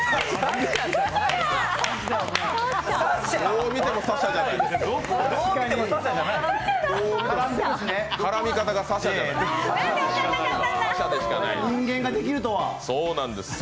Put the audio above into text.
どう見ても紗々じゃないですか。